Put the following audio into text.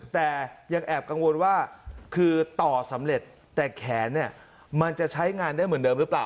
แต่ยังแอบกังวลว่าคือต่อสำเร็จแต่แขนเนี่ยมันจะใช้งานได้เหมือนเดิมหรือเปล่า